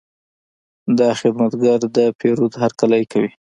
دا خدمتګر د پیرود هرکلی کوي.